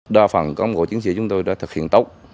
đa phần công cụ chiến sĩ chúng tôi đã thực hiện tốt